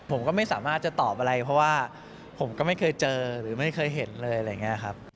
ผมก็ไม่สามารถจะตอบอะไรเพราะว่าผมก็ไม่เคยเจอหรือไม่เคยเห็นเลยอะไรอย่างนี้ครับ